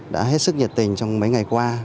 đã hết sức nhiệt tình trong mấy ngày qua